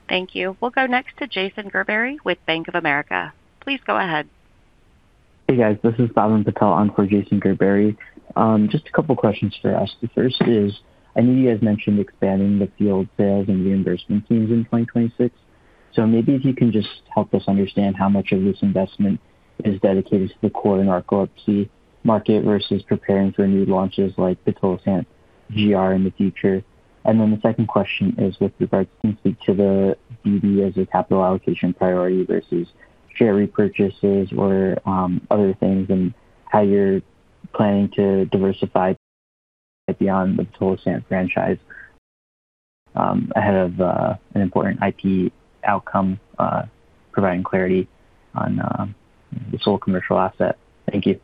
Thank you. We'll go next to Jason Gerberry with Bank of America. Please go ahead. Hey, guys. This is Bhavin Patel on for Jason Gerberry. Just a couple questions for us. The first is, I know you guys mentioned expanding the field sales and reimbursement teams in 2026. Maybe if you can just help us understand how much of this investment is dedicated to the core narcolepsy market versus preparing for new launches like Pitolisant GR in the future. The second question is with regards to the DD as a capital allocation priority versus share repurchases or other things, how you're planning to diversify beyond the pitolisant franchise ahead of an important IP outcome providing clarity on the sole commercial asset. Thank you.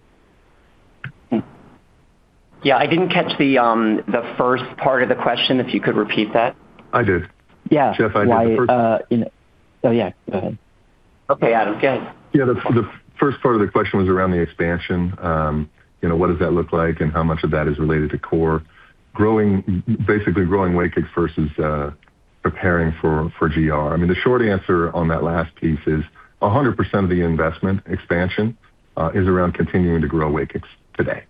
Yeah, I didn't catch the first part of the question, if you could repeat that. I did. Yeah. Jeff, I did the first-. Yeah. You know. Yeah, go ahead. Okay, Adam. Go ahead. Yeah, the first part of the question was around the expansion. You know, what does that look like, and how much of that is related to core? Basically growing WAKIX versus preparing for GR. I mean, the short answer on that last piece is 100% of the investment expansion is around continuing to grow WAKIX today.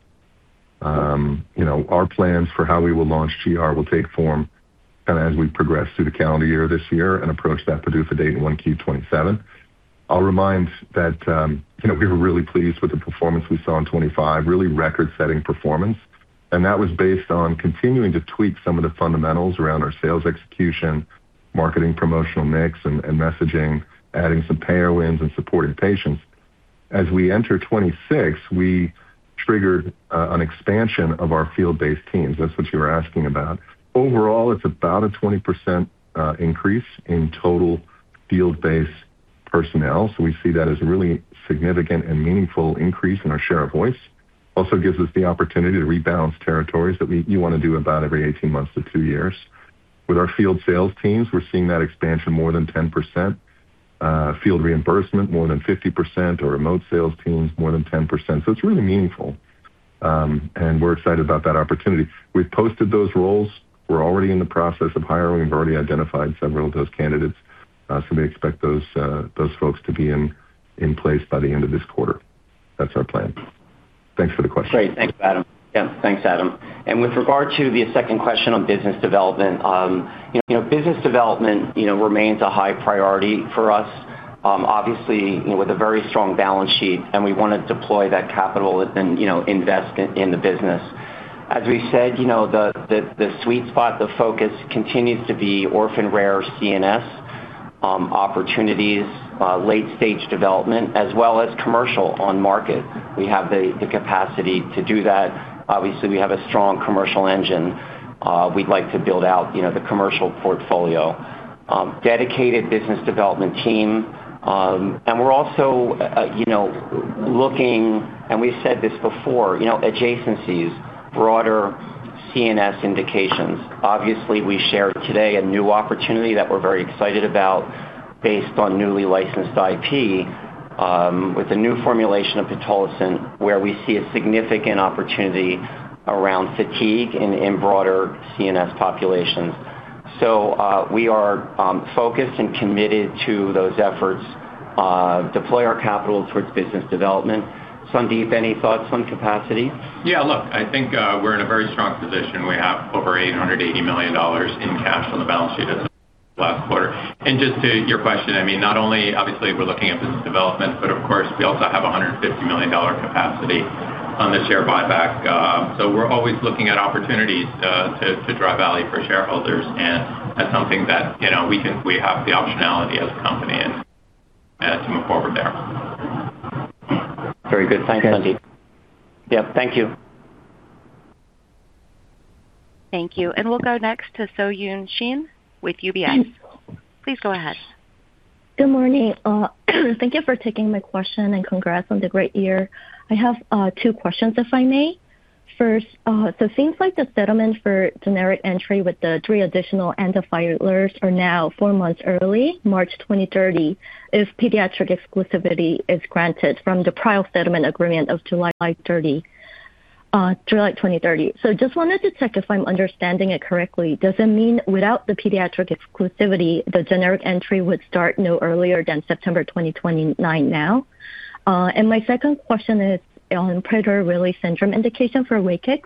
You know, our plans for how we will launch GR will take form kind of as we progress through the calendar year this year and approach that PDUFA date in 1Q27. I'll remind that, you know, we were really pleased with the performance we saw in 2025, really record-setting performance. That was based on continuing to tweak some of the fundamentals around our sales execution, marketing, promotional mix, and messaging, adding some payer wins and supporting patients. As we enter 2026, we triggered an expansion of our field-based teams. That's what you were asking about. Overall, it's about a 20% increase in total field-based personnel. We see that as a really significant and meaningful increase in our share of voice. Also gives us the opportunity to rebalance territories that you want to do about every 18 months to two years. With our field sales teams, we're seeing that expansion more than 10%, field reimbursement, more than 50%, our remote sales teams, more than 10%. It's really meaningful, and we're excited about that opportunity. We've posted those roles. We're already in the process of hiring. We've already identified several of those candidates. We expect those folks to be in place by the end of this quarter. That's our plan. Thanks for the question. Great. Thanks, Adam. Yeah, thanks, Adam. With regard to the second question on business development, you know, business development, you know, remains a high priority for us, obviously, you know, with a very strong balance sheet, and we want to deploy that capital and, you know, invest in the business. As we said, you know, the sweet spot, the focus continues to be orphan rare CNS opportunities, late-stage development, as well as commercial on-market. We have the capacity to do that. Obviously, we have a strong commercial engine. We'd like to build out, you know, the commercial portfolio. Dedicated business development team, and we're also, you know, looking, and we've said this before, you know, adjacencies, broader CNS indications. Obviously, we shared today a new opportunity that we're very excited about based on newly licensed IP, with a new formulation of pitolisant, where we see a significant opportunity around fatigue and in broader CNS populations. We are focused and committed to those efforts, deploy our capital towards business development. Sandip, any thoughts on capacity? Yeah, look, I think, we're in a very strong position. We have over $880 million in cash on the balance sheet as of last quarter. Just to your question, I mean, not only obviously we're looking at business development, but of course, we also have $150 million capacity on the share buyback. We're always looking at opportunities, to drive value for shareholders, and that's something that, you know, we think we have the optionality as a company and to move forward there. Very good. Thanks, Sandip. Yep, thank you. Thank you. We'll go next to Soyun Shin with UBS. Please go ahead. Good morning. Thank you for taking my question, and congrats on the great year. I have two questions, if I may. First, things like the settlement for generic entry with the three additional and the filers are now four months early, March 2030, if pediatric exclusivity is granted from the trial settlement agreement of July 2030. Just wanted to check if I'm understanding it correctly. Does it mean without the pediatric exclusivity, the generic entry would start no earlier than September 2029 now? My second question is on Prader-Willi syndrome indication for WAKIX.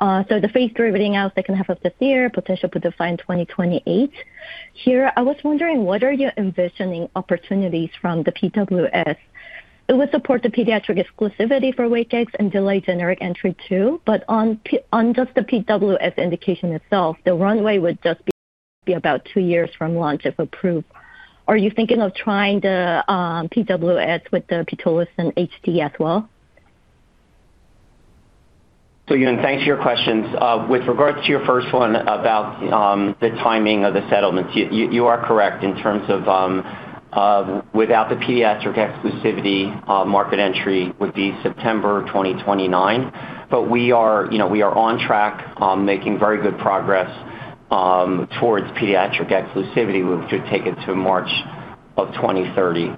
The phase 3 reading out second half of this year, potential PDUFA in 2028. Here, I was wondering, what are you envisioning opportunities from the PWS? It would support the pediatric exclusivity for WAKIX and delay generic entry too, but on just the PWS indication itself, the runway would just be about two years from launch if approved. Are you thinking of trying the PWS with the pitolisant HD as well? Soyun Shin, thanks for your questions. With regards to your first one about the timing of the settlements, you are correct in terms of without the pediatric exclusivity, market entry would be September 2029. We are, you know, we are on track, making very good progress towards pediatric exclusivity, which should take it to March of 2030.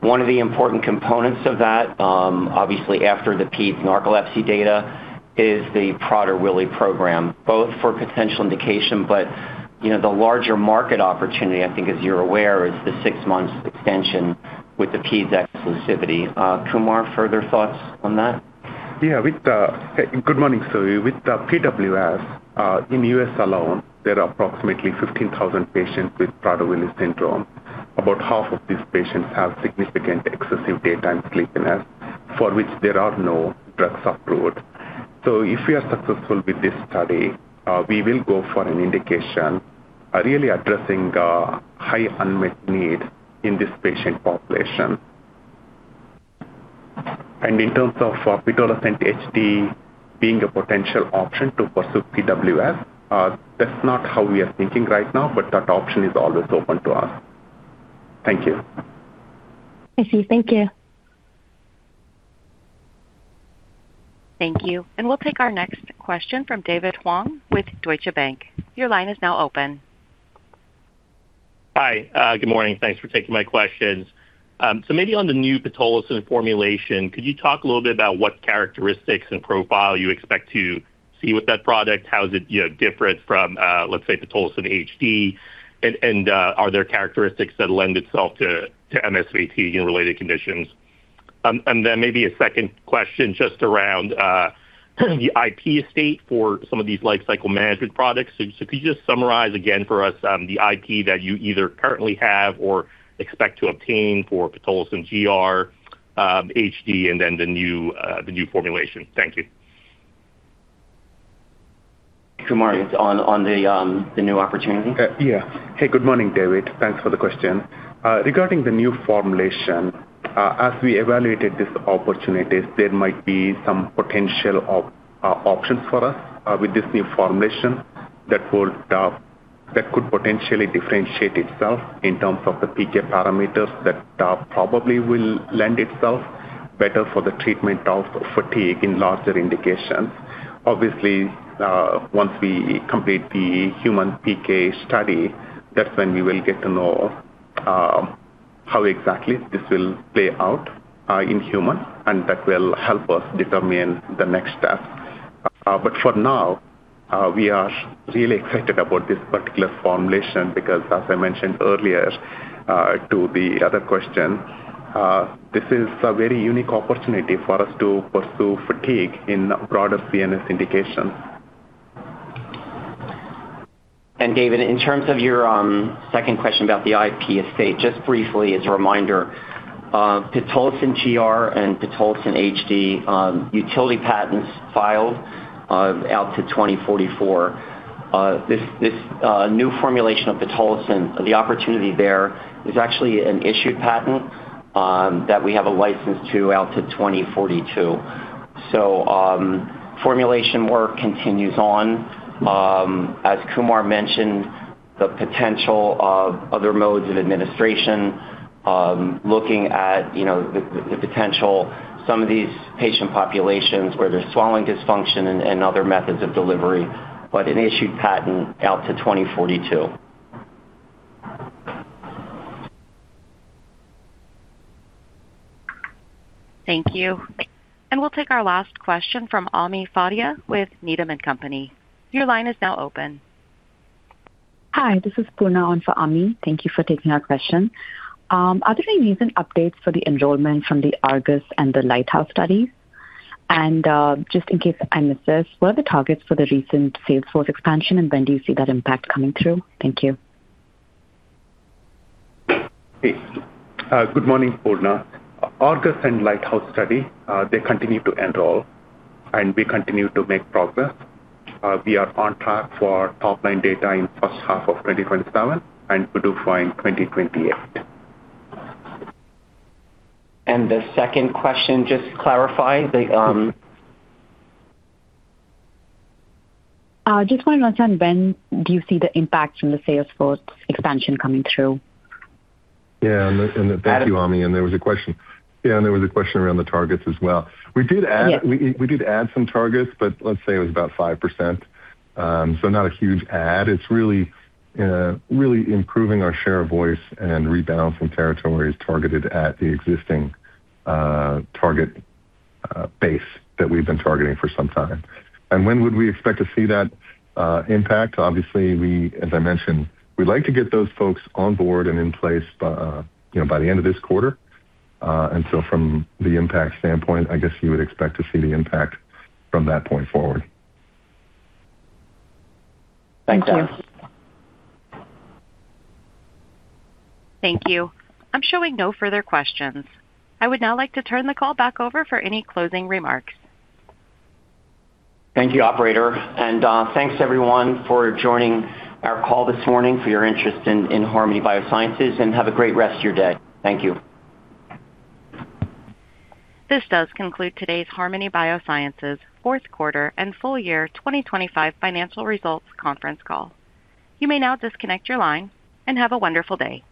One of the important components of that, obviously, after the Peds narcolepsy data, is the Prader-Willi program, both for potential indication, you know, the larger market opportunity, I think, as you're aware, is the six months extension with the pediatric exclusivity. Kumar, further thoughts on that? Good morning, Soyun. With the PWS in the U.S. alone, there are approximately 15,000 patients with Prader-Willi syndrome. About half of these patients have significant excessive daytime sleepiness, for which there are no drugs approved. If we are successful with this study, we will go for an indication, really addressing high unmet need in this patient population. In terms of Pitolisant HD being a potential option to pursue PWS, that's not how we are thinking right now, but that option is always open to us. Thank you. I see. Thank you. Thank you. We'll take our next question from David Huang with Deutsche Bank. Your line is now open. Hi. Good morning. Thanks for taking my questions. Maybe on the new pitolisant formulation, could you talk a little bit about what characteristics and profile you expect to see with that product? How is it, you know, different from, let's say, Pitolisant HD? Are there characteristics that lend itself to MS and related conditions? And then maybe a second question just around the IP estate for some of these life cycle management products. If you just summarize again for us, the IP that you either currently have or expect to obtain for Pitolisant GR, HD, and then the new formulation. Thank you. Good morning. On the new opportunity? Yeah. Hey, good morning, David. Thanks for the question. Regarding the new formulation, as we evaluated this opportunity, there might be some potential options for us with this new formulation that will that could potentially differentiate itself in terms of the PK parameters, that probably will lend itself better for the treatment of fatigue in larger indications. Once we complete the human PK study, that's when we will get to know how exactly this will play out in humans, and that will help us determine the next step. For now, we are really excited about this particular formulation because as I mentioned earlier, to the other question, this is a very unique opportunity for us to pursue fatigue in broader CNS indication. David, in terms of your second question about the IP estate, just briefly as a reminder, pitolisant GR and pitolisant HD, utility patents filed out to 2044. This new formulation of pitolisant, the opportunity there is actually an issued patent that we have a license to out to 2042. Formulation work continues on. As Kumar mentioned, the potential of other modes of administration, looking at, you know, the potential, some of these patient populations where there's swallowing dysfunction and other methods of delivery, but an issued patent out to 2042. Thank you. We'll take our last question from Ami Fadia with Needham & Company. Your line is now open. Hi, this is Poorna in for Ami. Thank you for taking our question. Are there any recent updates for the enrollment from the ARGUS and the LIGHTHOUSE studies? Just in case I missed this, what are the targets for the recent sales force expansion? When do you see that impact coming through? Thank you. Hey. Good morning, Poorna. ARGUS and LIGHTHOUSE Study, they continue to enroll, and we continue to make progress. We are on track for top-line data in first half of 2027 and PDUFA in 2028. The second question, just to clarify, the... Just want to understand, when do you see the impact from the sales force expansion coming through? Yeah, and thank you, Ami. Yeah, there was a question around the targets as well. Yes. We did add some targets, but let's say it was about 5%, so not a huge add. It's really improving our share of voice and rebound from territories targeted at the existing target base that we've been targeting for some time. When would we expect to see that impact? Obviously, as I mentioned, we'd like to get those folks on board and in place by, you know, by the end of this quarter. From the impact standpoint, I guess you would expect to see the impact from that point forward. Thanks. Thank you. I'm showing no further questions. I would now like to turn the call back over for any closing remarks. Thank you, operator. Thanks, everyone, for joining our call this morning, for your interest in Harmony Biosciences, and have a great rest of your day. Thank you. This does conclude today's Harmony Biosciences Fourth Quarter and Full Year 2025 Financial Results Conference Call. You may now disconnect your line and have a wonderful day.